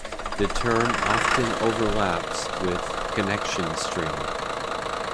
The term often overlaps with "connection string".